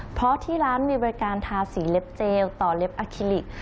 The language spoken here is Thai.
เพราะที่ร้านมีบริการทาสีเล็บเจลต่อเล็บอาคิลิก